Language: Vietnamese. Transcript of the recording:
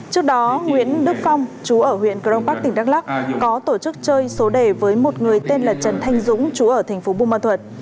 trước đó nguyễn đức phong trú ở huyện crong park tỉnh đắk lắk có tổ chức chơi số đề với một người tên là trần thanh dũng trú ở tp buôn ma thuật